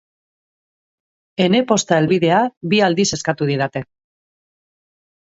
Ene posta helbidea bi aldiz eskatu didate.